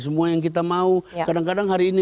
semua yang kita mau kadang kadang hari ini